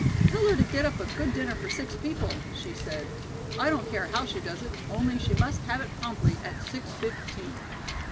'Tell her to get up a good dinner for six people,' she said. 'I don't care how she does it, only she must have it promptly at six fifteen.'"